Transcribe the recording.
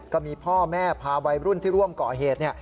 ก็มีพ่อแม่พาวัยรุ่นที่ร่วมก่อเหตุ